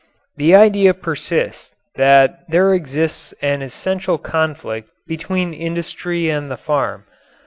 The idea persists that there exists an essential conflict between industry and the farm.